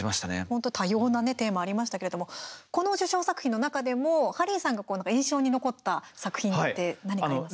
本当、多様なテーマありましたけれどもこの受賞作品の中でもハリーさんが印象に残った作品って何かありますか？